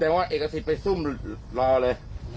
แต่ว่าเอกาศิษฐ์หิ้งไปสุ้้มรอเลย